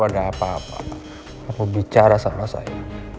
kalau ada apa apa kamu bicara sama saya